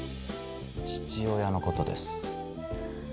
父親のことです。